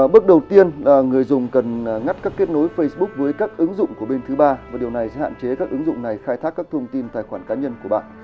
bước đầu tiên là người dùng cần ngắt các kết nối facebook với các ứng dụng của bên thứ ba và điều này sẽ hạn chế các ứng dụng này khai thác các thông tin tài khoản cá nhân của bạn